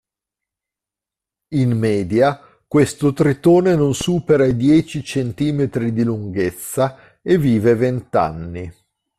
In media, questo tritone non supera i dieci centimetri di lunghezza e vive vent'anni.